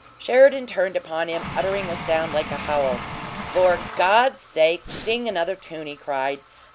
Sheridan turned upon him, uttering a sound like a howl. "For God's sake, sing another tune!" he cried.